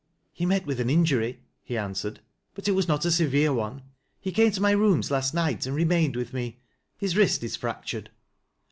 " He met with an injury," he answered, " but it waa not a severe one. He came to my rooms last night and remained with me. His wrist is fractured."